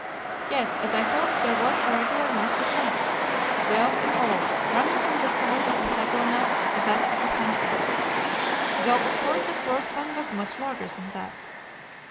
Yes, as I hoped, there was a regular nest of nuggets, twelve in all, running from the size of a hazel nut to that of a hen's egg, though of course the first one was much larger than that.